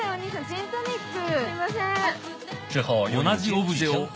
ジントニック。